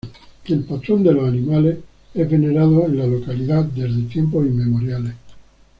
El patrón de los animales es venerado en la localidad desde tiempos inmemoriales.